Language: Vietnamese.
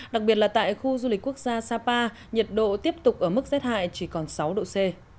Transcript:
đặc biệt là tại khu du lịch quốc gia sapa nhiệt độ tiếp tục ở mức rét hại chỉ còn sáu độ c